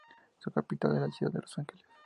Su capital es la ciudad de Los Ángeles.